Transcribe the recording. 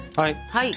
はい！